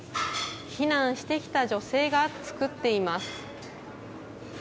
避難してきた女性が作っています。